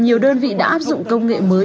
nhiều đơn vị đã áp dụng công nghệ mới